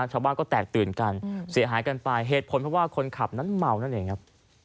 ชาวบ้านก็แตกตื่นกันเสียหายกันไปเหตุผลเพราะว่าคนขับนั้นเมานั่นเองครับ